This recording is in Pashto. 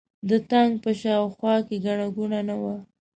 د تانک په شا او خوا کې ګڼه ګوڼه نه وه.